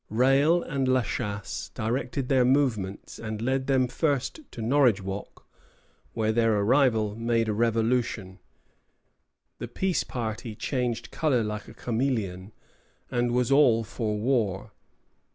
Rale and La Chasse directed their movements and led them first to Norridgewock, where their arrival made a revolution. The peace party changed color like a chameleon, and was all for war.